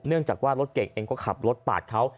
เนื่องจากว่ารถเก่งเองก็ขับรถปาดเขา